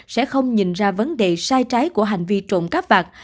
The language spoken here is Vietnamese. sẽ không nhìn ra vấn đề sai trái của hành vi trộm cắp vặt